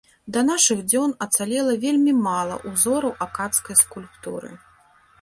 Да нашых дзён ацалела вельмі мала ўзораў акадскай скульптуры.